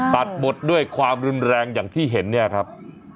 ตัดหมดด้วยความรุนแรงอย่างที่เห็นเนี่ยครับ